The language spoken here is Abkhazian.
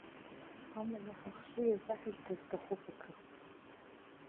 Амала, ҳахшыҩ азаҳашьҭыр сҭахуп акы.